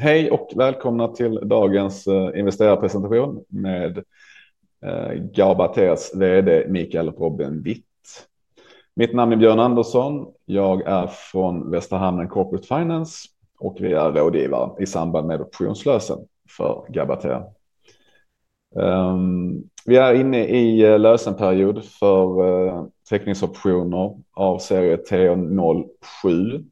Hej och välkomna till dagens investerarpresentation med Gabather, VD Mikael Robin Witt. Mitt namn är Björn Andersson. Jag är från Västra Hamnen Corporate Finance och vi är rådgivare i samband med optionslösen för Gabather. Vi är inne i lösenperiod för teckningsoptioner av serie T07.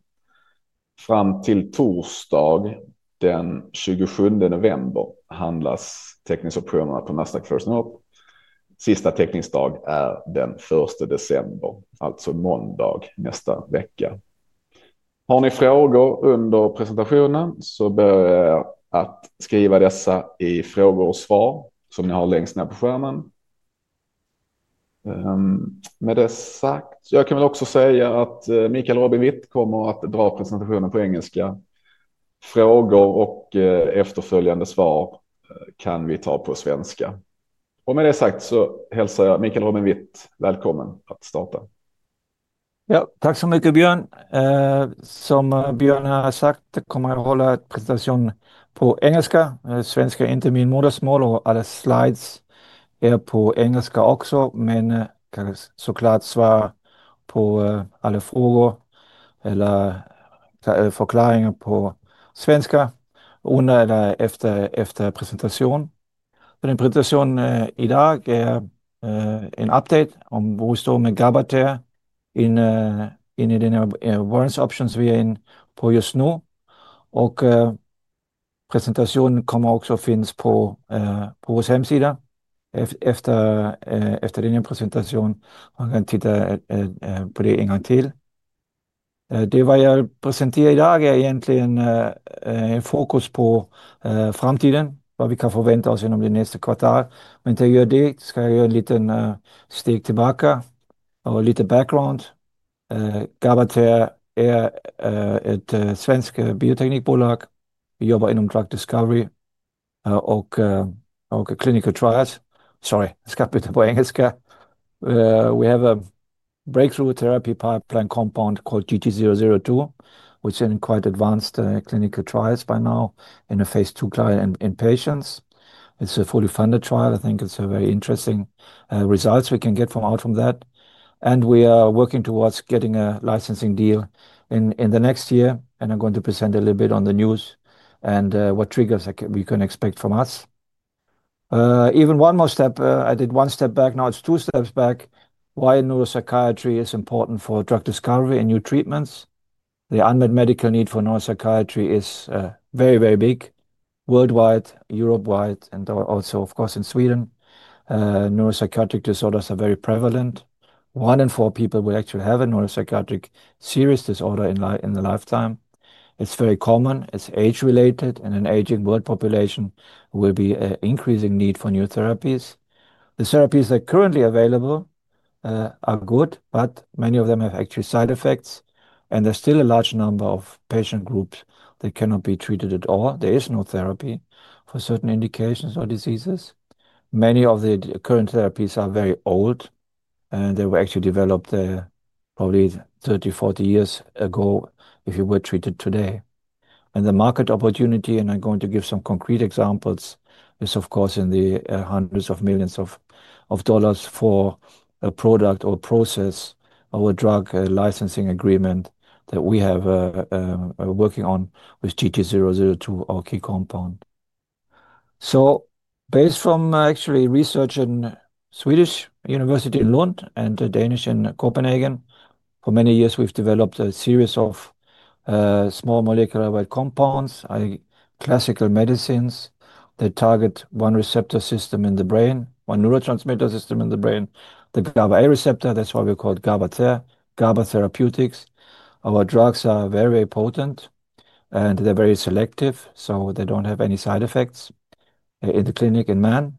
Fram till torsdag den 27 november handlas teckningsoptionerna på Nasdaq First North. Sista teckningsdag är den 1 december, alltså måndag nästa vecka. Har ni frågor under presentationen så ber jag att skriva dessa i frågor och svar som ni har längst ner på skärmen. Med det sagt, jag kan väl också säga att Mikael Robin Witt kommer att dra presentationen på engelska. Frågor och efterföljande svar kan vi ta på svenska. Med det sagt så hälsar jag Mikael Robin Witt välkommen att starta. Ja, tack så mycket Björn. Som Björn har sagt kommer jag hålla presentationen på engelska. Svenska är inte mitt modersmål och alla slides är på engelska också, men kan såklart svara på alla frågor eller förklaringar på svenska under eller efter presentationen. Så den presentationen idag är en update om hur det står med Gabather inne i den här Warrens Options vi är inne på just nu. Presentationen kommer också att finnas på vår hemsida efter den här presentationen. Man kan titta på det en gång till. Det vad jag presenterar idag är egentligen fokus på framtiden, vad vi kan förvänta oss inom det nästa kvartalet. Men för att göra det ska jag ta ett litet steg tillbaka och lite background. Gabather är ett svenskt bioteknikbolag. Vi jobbar inom drug discovery och clinical trials. Sorry, jag ska byta på engelska. We have a breakthrough therapy pipeline compound called GT002, which is in quite advanced clinical trials by now in a phase two trial in patients. It's a fully funded trial. I think it's a very interesting result we can get out from that. We are working towards getting a licensing deal in the next year. I'm going to present a little bit on the news and what triggers we can expect from us. Even one more step. I did one step back. Now it's two steps back. Why neuropsychiatry is important for drug discovery and new treatments. The unmet medical need for neuropsychiatry is very, very big worldwide, Europe-wide, and also of course in Sweden. Neuropsychiatric disorders are very prevalent. One in four people will actually have a neuropsychiatric serious disorder in their lifetime. It's very common. It's age-related. An aging world population will be an increasing need for new therapies. The therapies that are currently available are good, but many of them have side effects. There's still a large number of patient groups that cannot be treated at all. There is no therapy for certain indications or diseases. Many of the current therapies are very old. They were developed probably 30, 40 years ago if you were treated today. The market opportunity, I'm going to give some concrete examples, is of course in the hundreds of millions of dollars for a product or process or a drug licensing agreement that we have working on with GT002, our key compound. Based on research from Swedish University in Lund and Danish in Copenhagen, for many years we've developed a series of small molecular compounds, classical medicines that target one receptor system in the brain, one neurotransmitter system in the brain, the GABA-A receptor. That's why we call it Gabather Therapeutics. Our drugs are very, very potent and they're very selective, so they don't have any side effects in the clinic in humans.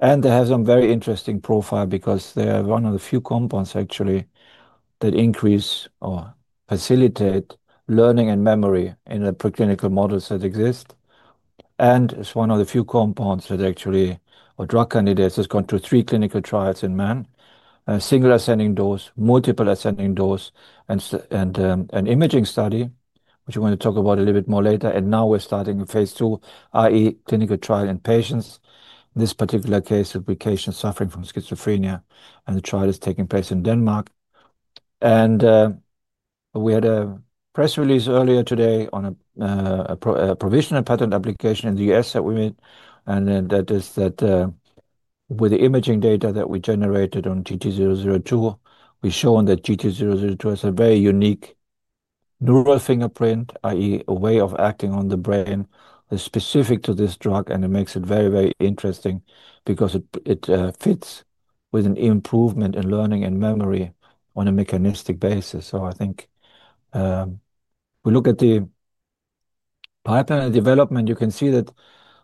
And they have some very interesting profile because they're one of the few compounds actually that increase or facilitate learning and memory in the preclinical models that exist. And it's one of the few compounds that actually, or drug candidates, has gone through three clinical trials in humans, a single ascending dose, multiple ascending dose, and an imaging study, which we're going to talk about a little bit more later. We're starting phase two, i.e., clinical trial in patients. In this particular case, a patient suffering from schizophrenia, and the trial is taking place in Denmark. We had a press release earlier today on a provisional patent application in the US that we made. That is that with the imaging data that we generated on GT002, we show that GT002 has a very unique neural fingerprint, i.e., a way of acting on the brain that's specific to this drug. It makes it very, very interesting because it fits with an improvement in learning and memory on a mechanistic basis. I think we look at the pipeline development, you can see that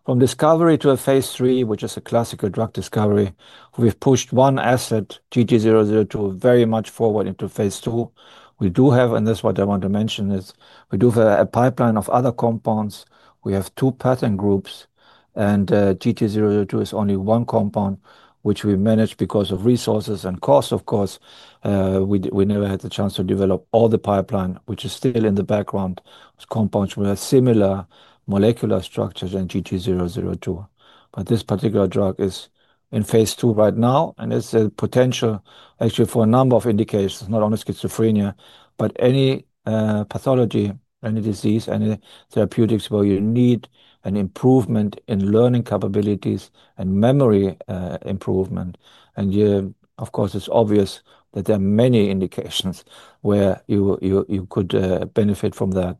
from discovery to a phase three, which is a classical drug discovery, we've pushed one asset, GT002, very much forward into phase two. We do have, and that's what I want to mention, is we do have a pipeline of other compounds. We have two patent groups, and GT002 is only one compound, which we managed because of resources and cost, of course. We never had the chance to develop all the pipeline, which is still in the background, which compounds will have similar molecular structures than GT002. But this particular drug is in phase two right now, and it's a potential actually for a number of indications, not only schizophrenia, but any pathology, any disease, any therapeutics where you need an improvement in learning capabilities and memory improvement. Of course, it's obvious that there are many indications where you could benefit from that.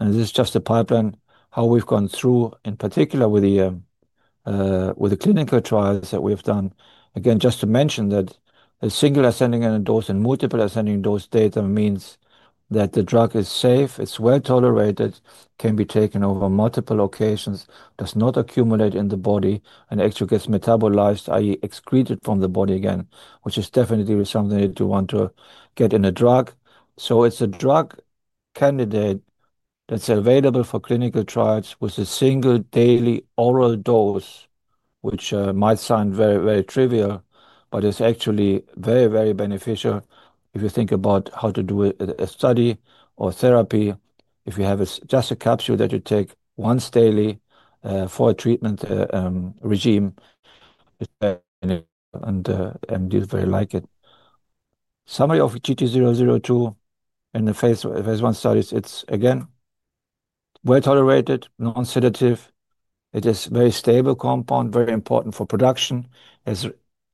This is just a pipeline, how we've gone through, in particular with the clinical trials that we've done. Again, just to mention that a single ascending dose and multiple ascending dose data means that the drug is safe, it's well tolerated, can be taken over multiple occasions, does not accumulate in the body, and actually gets metabolized, i.e., excreted from the body again, which is definitely something that you want to get in a drug. So it's a drug candidate that's available for clinical trials with a single daily oral dose, which might sound very trivial, but it's actually very beneficial if you think about how to do a study or therapy. If you have just a capsule that you take once daily for a treatment regime, it's very beneficial and deals very well. Summary of GT002 in the phase one studies, it's again, well tolerated, non-sedative. It is a very stable compound, very important for production. It's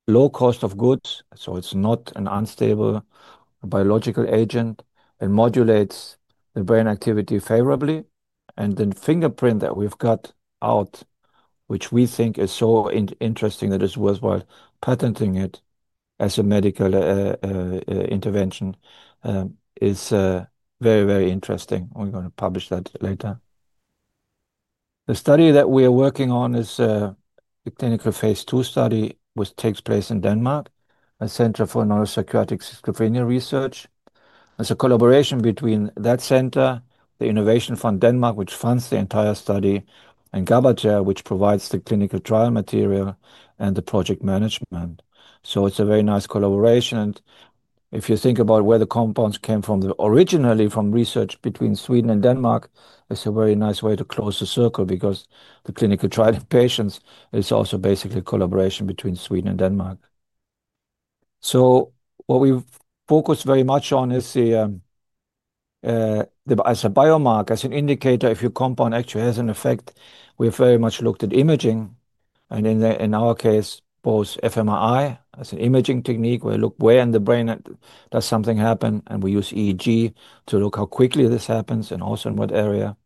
low cost of goods, so it's not an unstable biological agent and modulates the brain activity favorably. The fingerprint that we've got out, which we think is so interesting that it's worthwhile patenting it as a medical intervention, is very interesting. We're going to publish that later. The study that we are working on is a clinical phase two study which takes place in Denmark, a center for neuropsychiatric schizophrenia research. It's a collaboration between that center, the Innovation Fund Denmark, which funds the entire study, and Gabather, which provides the clinical trial material and the project management. So it's a very nice collaboration. If you think about where the compounds came from, originally from research between Sweden and Denmark, it's a very nice way to close the circle because the clinical trial in patients is also basically a collaboration between Sweden and Denmark. What we focus very much on is the biomarker as an indicator if your compound actually has an effect. We have very much looked at imaging. In our case, both fMRI as an imaging technique, where we look where in the brain does something happen, and we use EEG to look how quickly this happens and also in what area.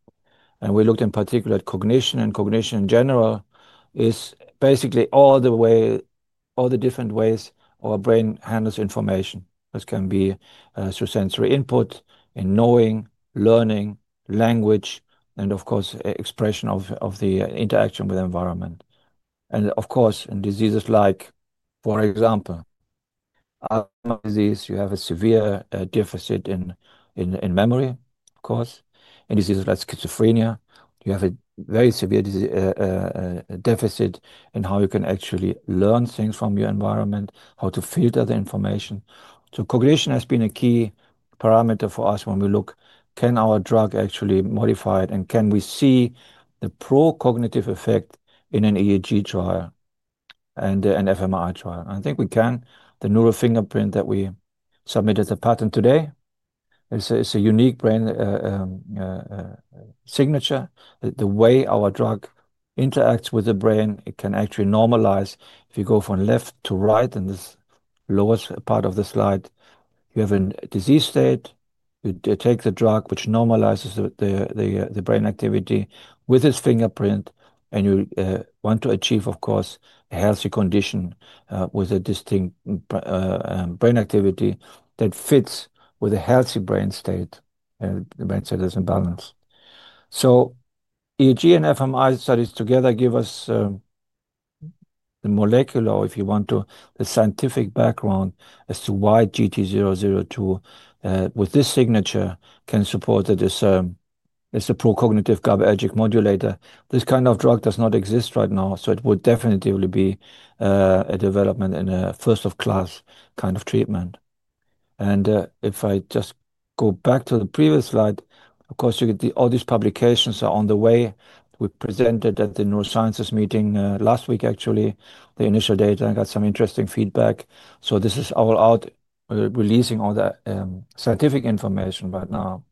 We looked in particular at cognition, and cognition in general is basically all the different ways our brain handles information. This can be through sensory input, in knowing, learning, language, and of course, expression of the interaction with the environment. In diseases like, for example, Alzheimer's disease, you have a severe deficit in memory, of course. In diseases like schizophrenia, you have a very severe deficit in how you can actually learn things from your environment, how to filter the information. Cognition has been a key parameter for us when we look, can our drug actually modify it, and can we see the pro-cognitive effect in an EEG trial and an FMRI trial? And I think we can. The neural fingerprint that we submitted as a patent today, it's a unique brain signature. The way our drug interacts with the brain, it can actually normalize. If you go from left to right in this lower part of the slide, you have a disease state. You take the drug, which normalizes the brain activity with its fingerprint, and you want to achieve, of course, a healthy condition with a distinct brain activity that fits with a healthy brain state, brain status and balance. EEG and fMRI studies together give us the molecular, if you want to, the scientific background as to why GT002 with this signature can support that it's a pro-cognitive GABA modulator. This kind of drug does not exist right now, so it would definitely be a development in a first-of-class kind of treatment. If I just go back to the previous slide, of course, all these publications are on the way. We presented at the neurosciences meeting last week, actually, the initial data and got some interesting feedback. This is all out, releasing all the scientific information right now.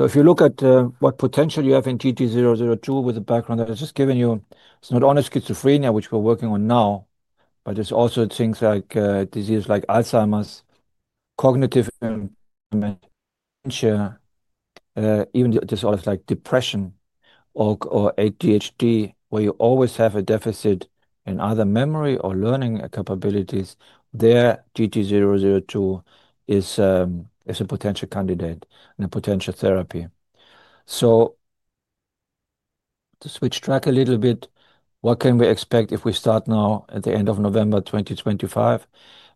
If you look at what potential you have in GT002 with the background that I've just given you, it's not only schizophrenia, which we're working on now, but it's also things like diseases like Alzheimer's, cognitive impairment, dementia, even disorders like depression or ADHD, where you always have a deficit in either memory or learning capabilities, there GT002 is a potential candidate and a potential therapy. To switch track a little bit, what can we expect if we start now at the end of November 2025?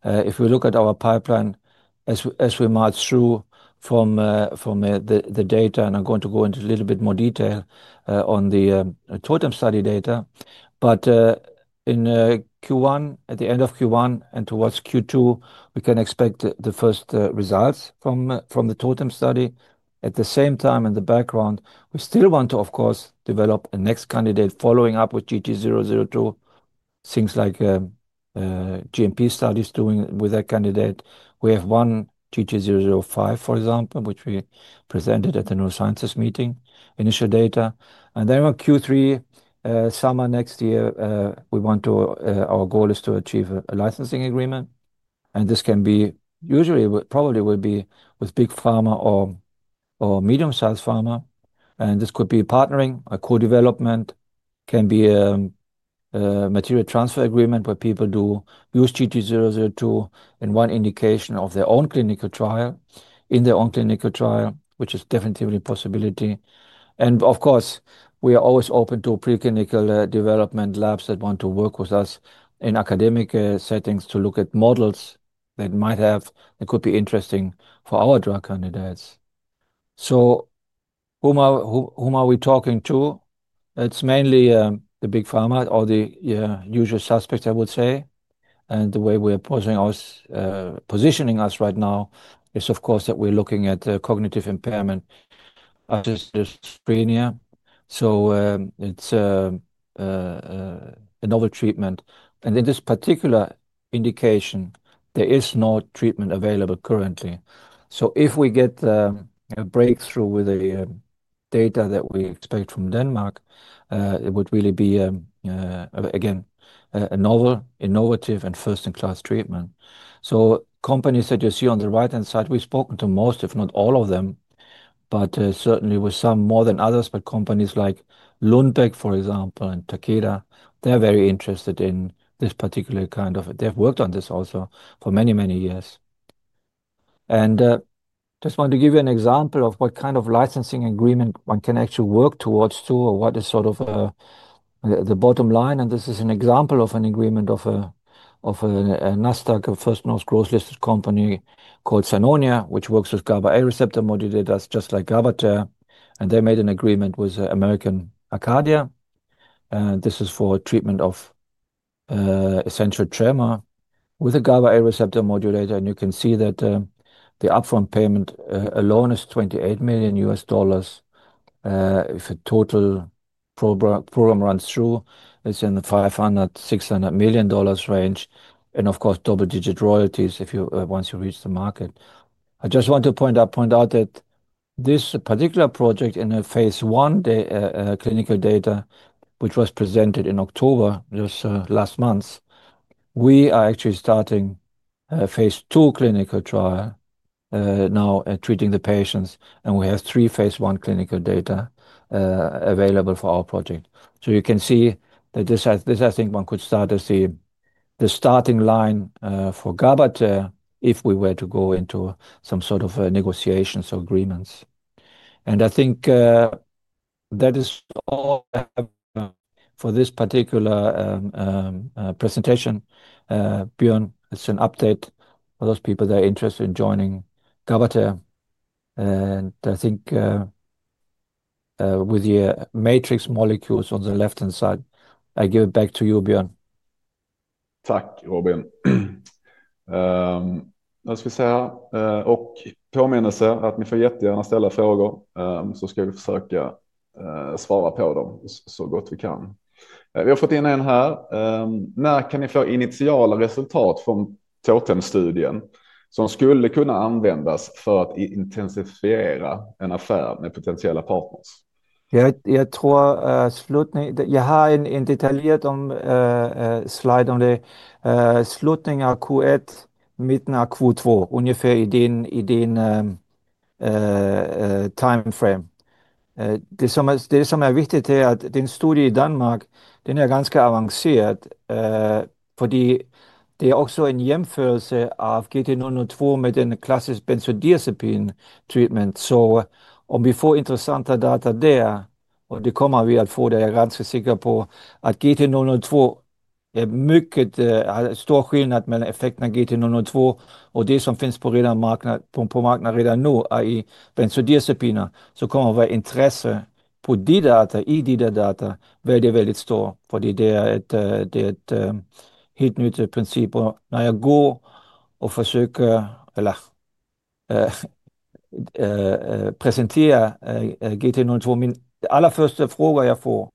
If we look at our pipeline as we march through from the data, and I'm going to go into a little bit more detail on the TOTEM study data, but in Q1, at the end of Q1 and towards Q2, we can expect the first results from the TOTEM study. At the same time, in the background, we still want to, of course, develop a next candidate following up with GT002, things like GMP studies doing with that candidate. We have one GT005, for example, which we presented at the neurosciences meeting, initial data. In Q3, summer next year, we want to, our goal is to achieve a licensing agreement. This can be usually, probably will be with big pharma or medium-sized pharma. This could be partnering, a co-development, can be a material transfer agreement where people do use GT002 in one indication of their own clinical trial, in their own clinical trial, which is definitely a possibility. Of course, we are always open to preclinical development labs that want to work with us in academic settings to look at models that might have, that could be interesting for our drug candidates. Whom are we talking to? It's mainly the big pharma or the usual suspects, I would say. The way we are positioning us right now is, of course, that we're looking at cognitive impairment, schizophrenia. It's a novel treatment. In this particular indication, there is no treatment available currently. If we get a breakthrough with the data that we expect from Denmark, it would really be, again, a novel, innovative, and first-in-class treatment. Companies that you see on the right-hand side, we've spoken to most, if not all of them, but certainly with some more than others. But companies like Lundberg, for example, and Takeda, they're very interested in this particular kind of, they've worked on this also for many, many years. I just want to give you an example of what kind of licensing agreement one can actually work towards, or what is sort of the bottom line. This is an example of an agreement of a NASDAQ first-gross-listed company called Sinonia, which works with GABA-A receptor modulators, just like Gabather. They made an agreement with American Arcadia. This is for treatment of essential tremor with a GABA-A receptor modulator. You can see that the upfront payment alone is $28 million US dollars. If a total program runs through, it's in the $500-600 million range. Of course, double-digit royalties once you reach the market. I just want to point out that this particular project in phase one, the clinical data, which was presented in October, just last month, we are actually starting phase two clinical trial now, treating the patients. We have three phase one clinical data available for our project. You can see that this, I think, one could start as the starting line for Gabather if we were to go into some sort of negotiations or agreements. I think that is all I have for this particular presentation. Björn, it's an update for those people that are interested in joining Gabather. I think with the matrix molecules on the left-hand side, I give it back to you, Björn. Tack, Robin. Nu ska vi se. Påminnelse att ni får jättegärna ställa frågor, så ska vi försöka svara på dem så gott vi kan. Vi har fått in en här. När kan ni få initiala resultat från TOTEM-studien som skulle kunna användas för att intensifiera en affär med potentiella partners? Jag tror slutningen, jag har en detaljerad slide om det. Slutningen av Q1, mitten av Q2, ungefär i din tidsram. Det som är viktigt är att din studie i Danmark, den är ganska avancerad, för det är också en jämförelse av GT002 med en klassisk benzodiazepin-behandling. Om vi får intressanta data där, och det kommer vi att få, det är jag ganska säker på, att GT002 är mycket stor skillnad mellan effekten av GT002 och det som finns på marknaden redan nu är i benzodiazepiner, så kommer vårt intresse på de data, i de data, väldigt, väldigt stort, för det är ett helt nytt princip. När jag går och försöker presentera GT002, min allra första fråga jag får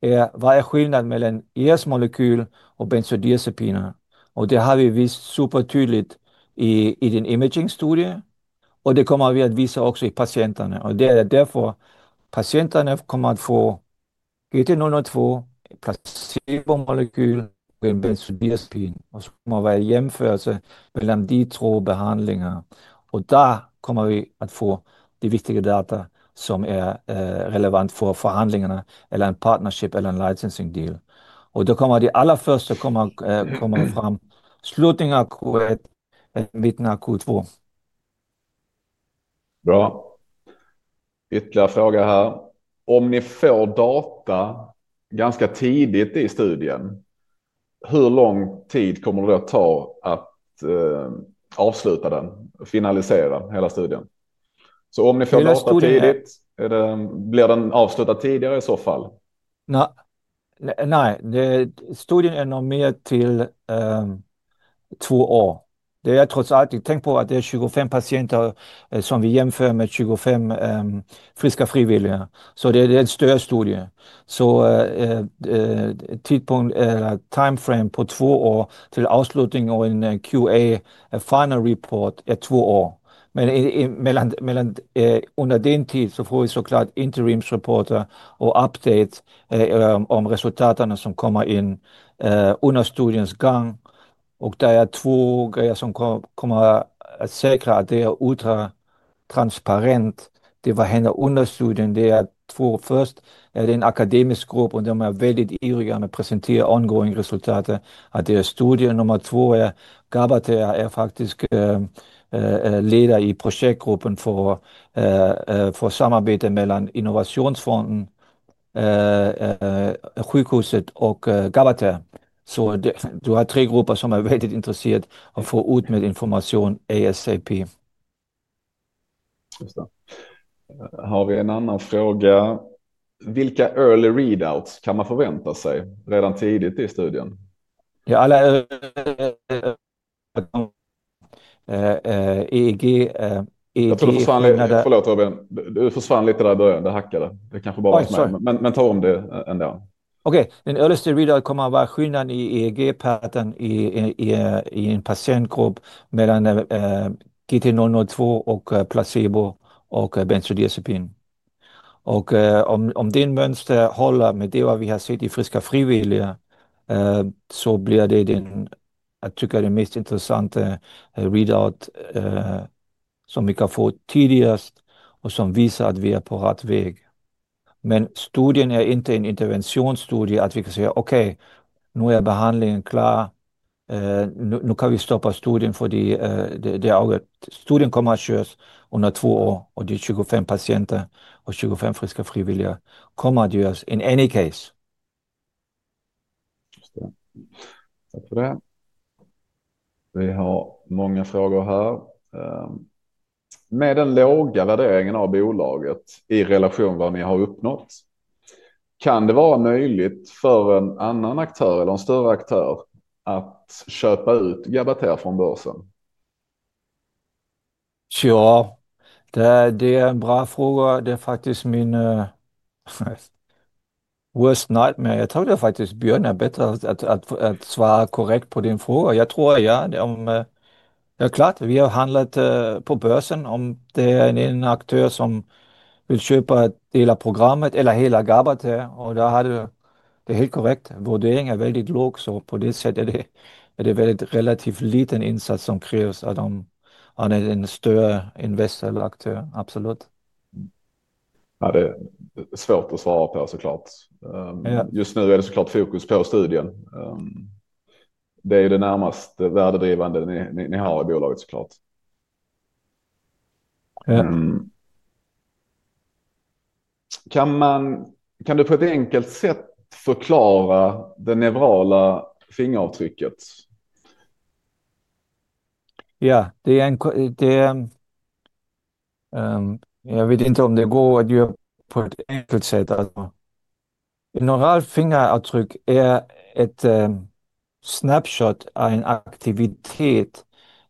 är: Vad är skillnaden mellan ers molekyl och benzodiazepiner? Det har vi visat supertydligt i din imaging-studie, och det kommer vi att visa också i patienterna. Och det är därför patienterna kommer att få GT002, placebo-molekyl och en benzodiazepin, och så kommer det vara en jämförelse mellan de två behandlingarna. Och där kommer vi att få det viktiga data som är relevant för förhandlingarna eller en partnership eller en licensing-deal. Och då kommer det allra första komma fram: slutningen av Q1, mitten av Q2. Bra. Ytterligare fråga här. Om ni får data ganska tidigt i studien, hur lång tid kommer det då ta att avsluta den, finalisera hela studien? Så om ni får data tidigt, blir den avslutad tidigare i så fall? Nej, nej, studien är nog mer till två år. Det är trots allt, tänk på att det är 25 patienter som vi jämför med 25 friska frivilliga. Så det är en större studie. Så tidpunkt eller timeframe på två år till avslutning och en QA final report är två år. Men under den tid så får vi såklart interim-rapporter och update om resultaterna som kommer in under studiens gång. Och det är två grejer som kommer att säkra att det är ultra transparent, det vad händer under studien. Det är två, först är det en akademisk grupp och de är väldigt ivriga med att presentera ongoing resultater av deras studier. Nummer två är Gabather, är faktiskt ledare i projektgruppen för samarbete mellan Innovationsfonden, sjukhuset och Gabather. Så du har tre grupper som är väldigt intresserade av att få ut mer information ASAP. Just det. Har vi en annan fråga? Vilka early readouts kan man förvänta sig redan tidigt i studien? Ja, alla EEG. Förlåt, Robin, du försvann lite där i början, det hackade. Det kanske bara var så. Men ta om det ändå. Okej, den early readout kommer att vara skillnaden i EEG-pattern i en patientgrupp mellan GT002 och placebo och benzodiazepin. Och om det mönstret håller med det vad vi har sett i friska frivilliga, så blir det den, jag tycker det är den mest intressanta readout som vi kan få tidigast och som visar att vi är på rätt väg. Men studien är inte en interventionsstudie att vi kan säga, okej, nu är behandlingen klar, nu kan vi stoppa studien för det är studien kommer att göras under två år och det är 25 patienter och 25 friska frivilliga, kommer att göras in any case. Just det. Tack för det. Vi har många frågor här. Med den låga värderingen av bolaget i relation vad ni har uppnått, kan det vara möjligt för en annan aktör eller en större aktör att köpa ut Gabather från börsen? Tja, det är en bra fråga. Det är faktiskt min worst nightmare. Jag tror det är faktiskt Björn är bättre att svara korrekt på din fråga. Jag tror det, ja. Det är klart, vi har handlat på börsen. Om det är en aktör som vill köpa hela programmet eller hela Gabather, och då hade det är helt korrekt, värderingen är väldigt låg, så på det sättet är det väldigt relativt liten insats som krävs av en större investor eller aktör, absolut. Ja, det är svårt att svara på såklart. Just nu är det såklart fokus på studien. Det är ju det närmaste värdedrivande ni har i bolaget såklart. Kan man, kan du på ett enkelt sätt förklara det neurala fingeravtrycket? Ja, det är en, det är, jag vet inte om det går att göra på ett enkelt sätt. Neuralt fingeravtryck är ett snapshot av en aktivitet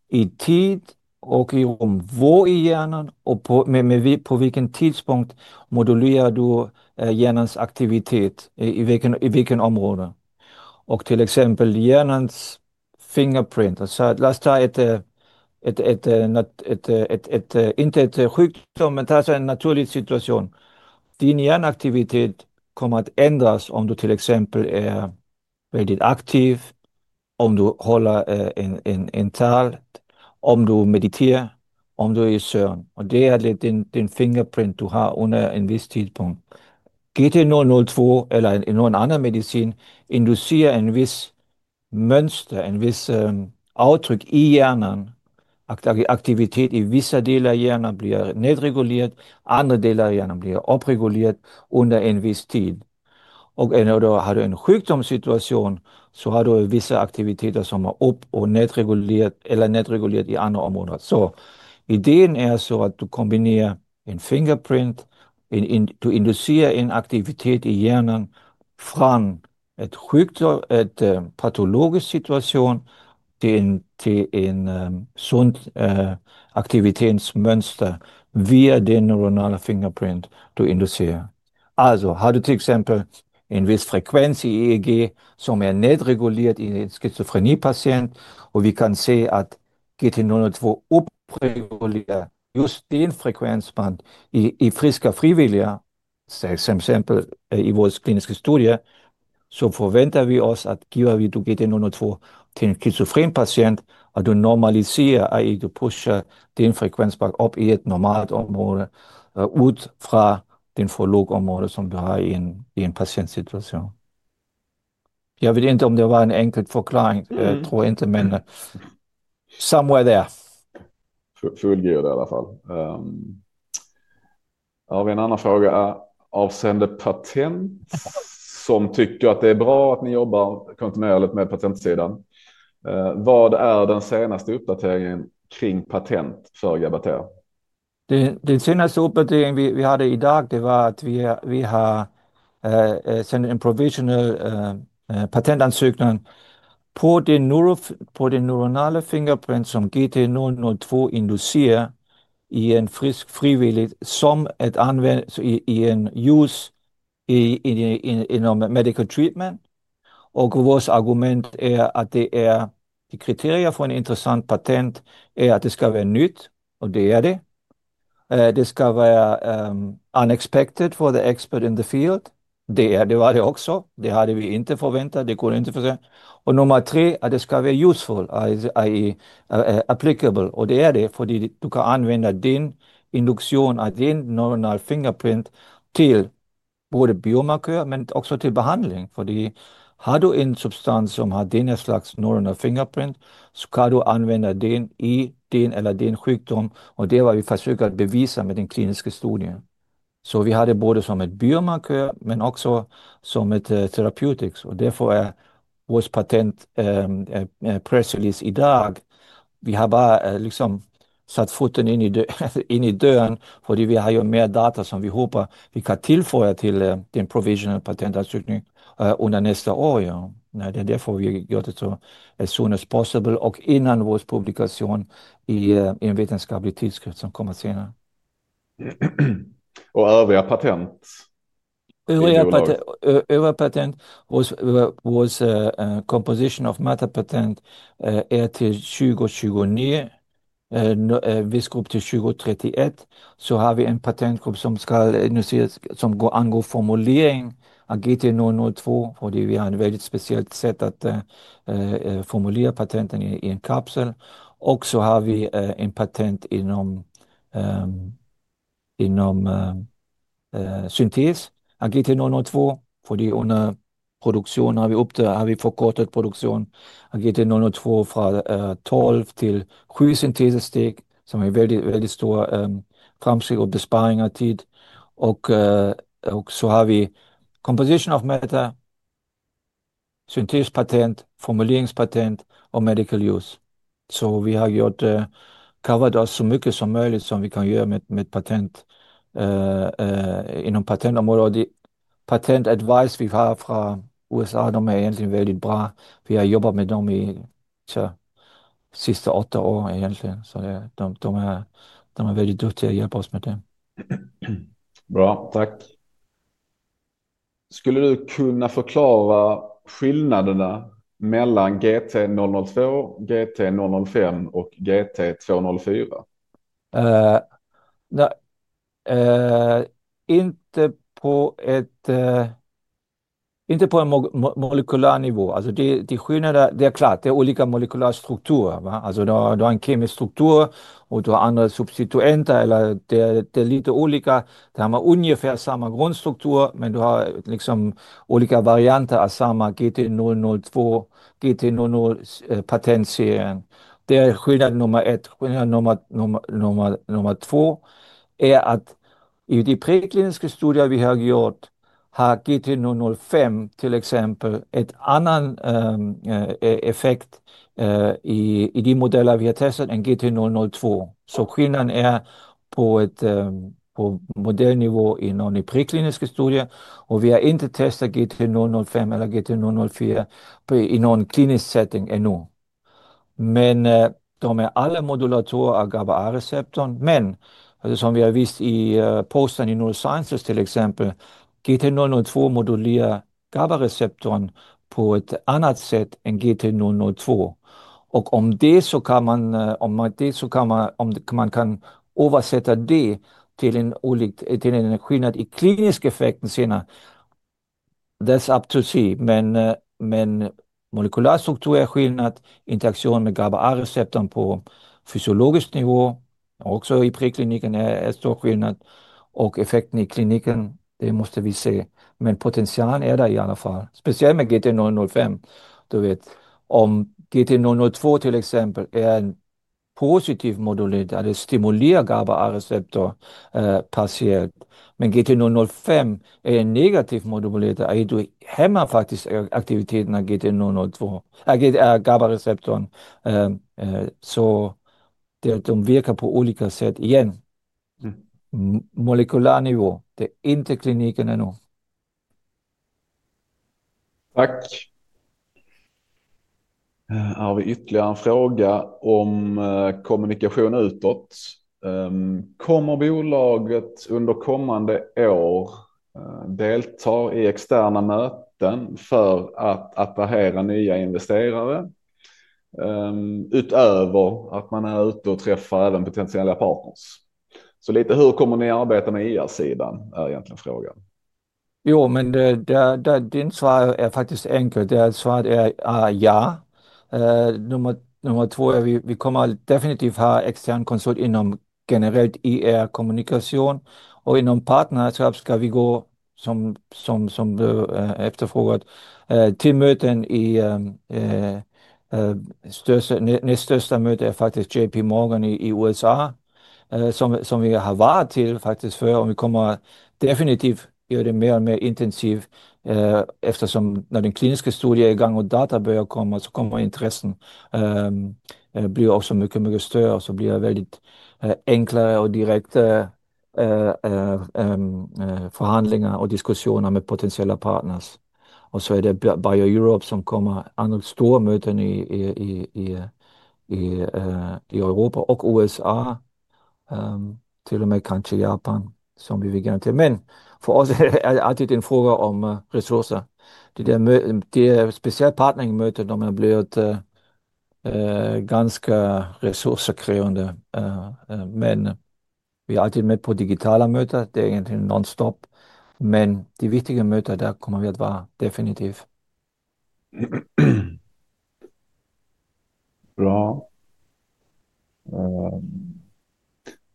i tid och i rum i hjärnan, och på vilken tidpunkt modulerar du hjärnans aktivitet i vilket område. Till exempel hjärnans fingerprint, så att låt oss ta en naturlig situation. Din hjärnaktivitet kommer att ändras om du till exempel är väldigt aktiv, om du håller ett tal, om du mediterar, om du är i sömn. Det är din fingerprint du har under en viss tidpunkt. GT002 eller någon annan medicin inducerar ett visst mönster, ett visst uttryck i hjärnan. Aktivitet i vissa delar av hjärnan blir nedregulerad, andra delar av hjärnan blir uppregulerad under en viss tid. I en sjukdomssituation har du vissa aktiviteter som är upp- och nedregulerade eller nedregulerade i andra områden. Så idén är att du kombinerar en fingerprint, du inducerar en aktivitet i hjärnan från en patologisk situation till ett sunt aktivitetsmönster via den neuronala fingerprint du inducerar. Har du till exempel en viss frekvens i EEG som är nedreglerad i en schizofrenpatient, och vi kan se att GT002 uppreglerar just det frekvensbandet i friska frivilliga, till exempel i vår kliniska studie, så förväntar vi oss att ger vi GT002 till en schizofren patient, att du normaliserar och pushar det frekvensbandet upp i ett normalt område från det låga området som du har i en patientsituation. Jag vet inte om det var en enkel förklaring, jag tror inte det, men somewhere there. Det fullgör det i alla fall. Vi har en annan fråga. Avseende patent, som tycker att det är bra att ni jobbar kontinuerligt med patentsidan, vad är den senaste uppdateringen kring patent för Gabather? Den senaste uppdateringen vi hade idag, det var att vi har sänt en provisionell patentansökan på den neuronala fingerprint som GT002 inducerar i en frisk frivillig som används inom medical treatment. Vårt argument är att det uppfyller de kriterier för ett intressant patent: att det ska vara nytt, och det är det. Det ska vara unexpected for the expert in the field. Det var det också, det hade vi inte förväntat, det kunde inte förväntas. Nummer tre är att det ska vara useful, applicable, och det är det, för du kan använda induktionen av din neuronala fingerprint till både biomarkör men också till behandling. Har du en substans som har denna typ av neuronal fingerprint, så kan du använda den för din sjukdom, och det är vad vi försöker bevisa med den kliniska studien. Vi har det både som ett biomarkör men också som ett therapeutics, och därför är vårt patent pressrelease idag. Vi har bara satt foten in i dörren, för vi har ju mer data som vi hoppas vi kan tillföra till den provisionella patentansökningen under nästa år. Det är därför vi har gjort det as soon as possible, och innan vår publikation i en vetenskaplig tidskrift som kommer senare. Övriga patent? Vår composition of matter patent är till 2029, viss grupp till 2031, vi har en patentgrupp som ska angå formulering av GT002, för vi har ett väldigt speciellt sätt att formulera patenten i en kapsel. Vi har en patent inom syntes av GT002, för under produktion har vi förkortat produktion av GT002 från 12 till 7 syntesesteg, som är väldigt stora framsteg och besparing av tid. Och så har vi composition of matter, syntespatent, formuleringspatent och medical use. Så vi har coverat så mycket som möjligt som vi kan göra med patent inom patentområdet. Patent advice vi har från USA, de är egentligen väldigt bra. Vi har jobbat med dem i sista åtta år egentligen, så de är väldigt duktiga att hjälpa oss med det. Bra, tack. Skulle du kunna förklara skillnaderna mellan GT002, GT005 och GT204? Nej, inte på ett molekylärt nivå. Det är skillnader, det är klart, det är olika molekylärstrukturer. Du har en kemisk struktur och du har andra substituenter, eller det är lite olika. Det här var ungefär samma grundstruktur, men du har olika varianter av samma GT002, GT00 patentserien. Det är skillnad nummer ett. Skillnad nummer två är att i de prekliniska studier vi har gjort har GT005 till exempel en annan effekt i de modeller vi har testat än GT002. Så skillnaden är på modellnivå inom de prekliniska studier, och vi har inte testat GT005 eller GT004 i någon klinisk setting ännu. Men de är alla modulatorer av GABAA-receptorn, men som vi har visat i posten i Neurosciences till exempel, GT002 modulerar GABAA-receptorn på ett annat sätt än GT002. Om det så kan man översätta det till en skillnad i klinisk effekt senare, that's up to see, men molekylärstruktur är skillnad, interaktion med GABAA-receptorn på fysiologiskt nivå, också i prekliniken är en stor skillnad, och effekten i kliniken, det måste vi se, men potentialen är där i alla fall, speciellt med GT005, du vet. Om GT002 till exempel är en positiv modulator, det stimulerar GABAA-receptorn passivt, men GT005 är en negativ modulator, då hämmar faktiskt aktiviteten av GT002, GABAA-receptorn, så det de verkar på olika sätt igen, molekylär nivå, det är inte kliniken ännu. Tack. Här har vi ytterligare en fråga om kommunikation utåt. Kommer bolaget under kommande år delta i externa möten för att attrahera nya investerare, utöver att man är ute och träffar även potentiella partners? Så lite hur kommer ni arbeta med IR-sidan, är egentligen frågan. Jo, men det är inte svaret är faktiskt enkelt, det är svaret är ja. Nummer två är vi kommer definitivt ha extern konsult inom generellt IR-kommunikation, och inom partnerskap ska vi gå, som du efterfrågat, till möten i näst största möte är faktiskt JP Morgan i USA, som vi har varit till faktiskt för, och vi kommer definitivt göra det mer och mer intensivt, eftersom när den kliniska studien är i gång och data börjar komma, så kommer intressen bli också mycket större, och så blir det väldigt enklare och direkta förhandlingar och diskussioner med potentiella partners. Så är det Bio Europe som kommer, andra stora möten i Europa och USA, till och med kanske Japan, som vi vill gå till, men för oss är det alltid en fråga om resurser. Det är speciellt partneringmöten där man blir ganska resursskrävande, men vi är alltid med på digitala möten, det är egentligen non-stop, men de viktiga mötena där kommer vi att vara definitivt. Bra.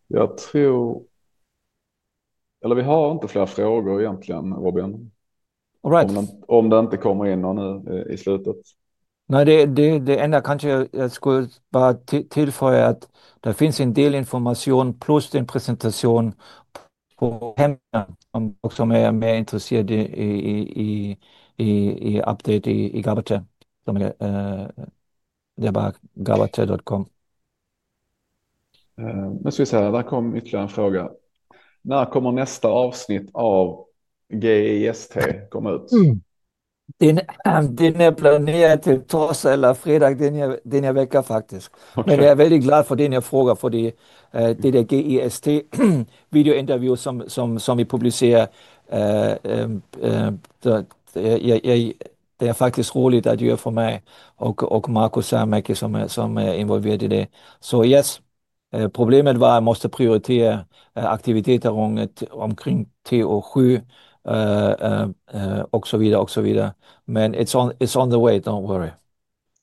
Jag tror, eller vi har inte fler frågor egentligen, Robin. All right. Om det inte kommer in något nu i slutet. Nej, det det det enda kanske jag skulle bara tillföra är att det finns en del information plus en presentation på hemsidan som är mer intresserad i update i Gabather, som är gabather.com. Nu ska vi se, där kom ytterligare en fråga. När kommer nästa avsnitt av GIST komma ut? Den är planerad till torsdag eller fredag, den är vecka faktiskt. Men jag är väldigt glad för denna fråga, för det är det GIST-videointervju som vi publicerar. Det är faktiskt roligt att göra för mig och Marcus så här mycket som är involverad i det. Så yes, problemet var att jag måste prioritera aktiviteter runt omkring T och 7 och så vidare och så vidare. Men it's on the way, don't worry.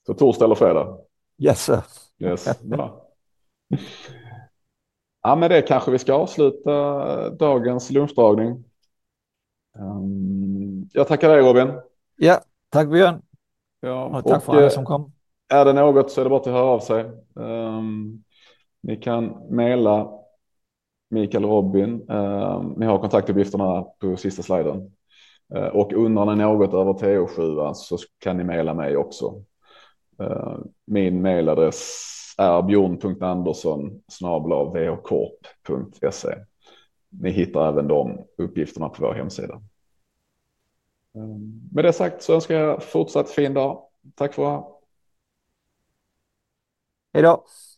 Så torsdag eller fredag? Yes. Yes, bra. Ja, men det kanske vi ska avsluta dagens lunchdragning. Jag tackar dig, Robin. Ja, tack Björn. Ja, tack för det som kom. Är det något så är det bara att höra av sig. Ni kan maila Mikael och Robin, ni har kontaktuppgifterna på sista sliden. Och undrar ni något över T och 7 så kan ni maila mig också. Min mailadress är bjorn.andersson@vhkorp.se. Ni hittar även de uppgifterna på vår hemsida. Med det sagt så önskar jag fortsatt fin dag. Tack för det. Hej då.